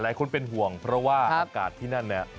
หลายคนเป็นห่วงเพราะว่าอากาศที่นั่นเนี่ย